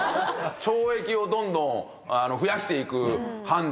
懲役をどんどん増やして行く判事。